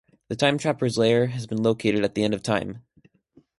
The Time Trapper's lair has been located at the end of time.